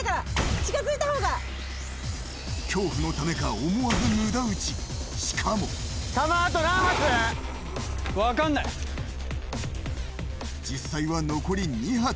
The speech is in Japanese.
恐怖のためか、思わず無駄撃ち、しかも実際は残り２発。